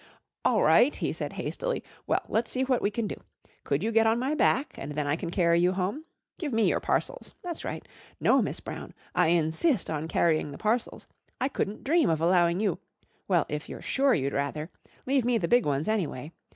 "All right," he said hastily. "Well, let's see what we can do. Could you get on my back, and then I can carry you home? Give me your parcels. That's right. No, Miss Brown. I insist on carrying the parcels. I couldn't dream of allowing you well, if you're sure you'd rather. Leave me the big ones, anyway.